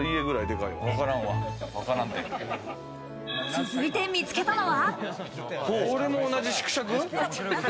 続いて見つけたのは。